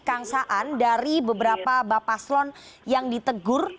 kang saan dari beberapa bapak slon yang ditegur